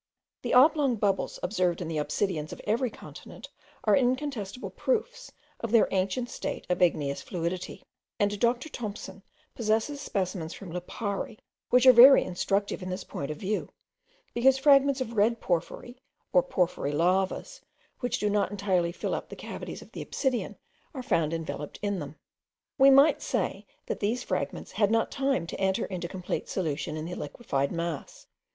The oblong bubbles observed in the obsidians of every continent are incontestible proofs of their ancient state of igneous fluidity; and Dr. Thompson possesses specimens from Lipari, which are very instructive in this point of view, because fragments of red porphyry, or porphyry lavas, which do not entirely fill up the cavities of the obsidian, are found enveloped in them. We might say, that these fragments had not time to enter into complete solution in the liquified mass.